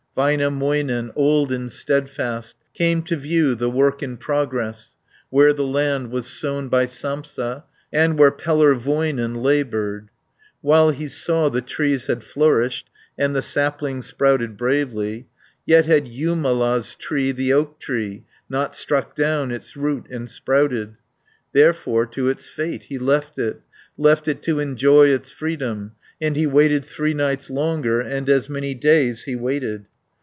Väinämöinen, old and steadfast, Came to view the work in progress, Where the land was sown by Sampsa, And where Pellervoinen laboured. While he saw the trees had flourished, And the saplings sprouted bravely, Yet had Jumala's tree, the oak tree, Not struck down its root and sprouted. 50 Therefore to its fate he left it, Left it to enjoy its freedom, And he waited three nights longer, And as many days he waited.